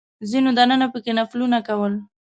ځینو دننه په کې نفلونه کول.